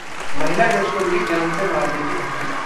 महिला जज को मिली जान से मारने की धमकी